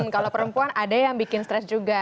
kalau perempuan ada yang bikin stres juga